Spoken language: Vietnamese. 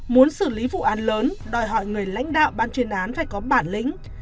muốn xử lý vụ án lớn đòi hỏi người lãnh đạo ban chuyên án phải có bản lĩnh